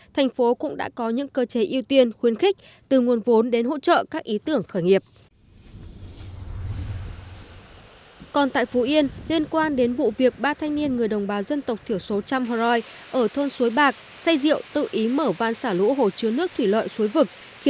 thành phố cũng đã có những cơ chế ưu tiên khuyến khích từ nguồn vốn đến hỗ trợ các ý tưởng khởi nghiệp